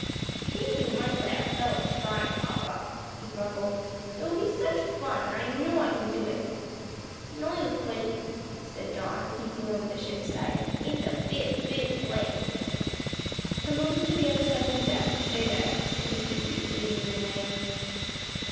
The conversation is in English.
"I think you might let a fellow try, papa," he grumbled, "it would be such fun and I know I could do it." "No, you couldna," said Don, peeping over the ship's side, "it's a big, big place." "Come over to the other side of the deck, and stay there," said Mr. Keith, leading them away.